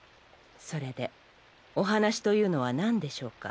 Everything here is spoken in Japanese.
それでお話というのはなんでしょうか？